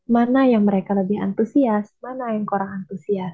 mana yang mereka lebih antusias mana yang kurang antusias